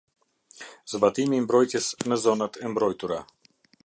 Zbatimi i mbrojtjes në zonat e mbrojtura.